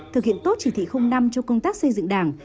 thực hiện tốt chỉ thị năm cho công tác xây dựng đảng